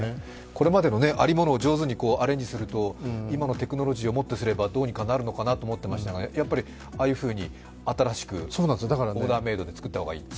これまでのありものを上手にアレンジすると、今のテクノロジーをもってすればどうにかなるのかなと思ってましたが、ああいうふうに新しくオーダーメイドで作った方がいいと。